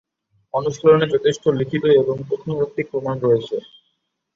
অনুশীলনের যথেষ্ট লিখিত এবং প্রত্নতাত্ত্বিক প্রমাণ রয়েছে।